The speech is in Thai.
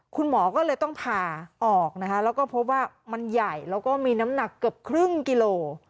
คุณหมอก็เลยต้องผ่าออกนะคะแล้วก็พบว่ามันใหญ่แล้วก็มีน้ำหนักเกือบครึ่งกิโล